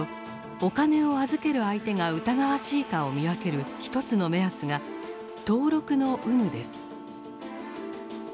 お金を預ける相手が疑わしいかを見分ける一つの目安が登録の有無です。